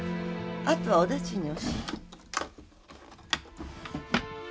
あとはお駄賃におし。